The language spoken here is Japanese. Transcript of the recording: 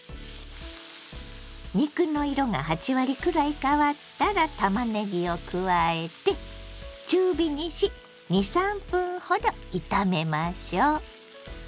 肉の色が８割くらい変わったらたまねぎを加えて中火にし２３分ほど炒めましょう。